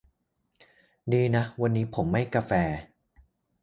ดีนะวันนี้ผมไม่กาแฟ